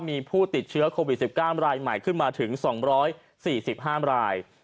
มีผู้ติดเชื้อโควิด๑๙รายใหม่ขึ้นมาถึง๒๔๕ราย